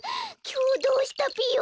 きょうどうしたぴよ？